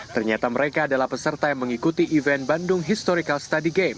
ternyata mereka adalah peserta yang mengikuti event bandung historical study game